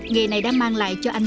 nghề này đã mang lại cho anh